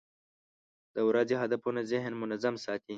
د ورځې هدفونه ذهن منظم ساتي.